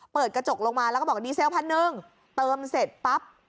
เปิดกระจกลงมาแล้วก็บอกดีเซลพันหนึ่งเติมเสร็จปั๊บ